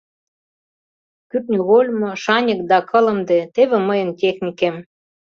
— Кӱртньыгольмо, шаньык да кылымде — теве мыйын техникем.